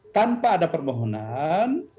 tanpa ada permohonan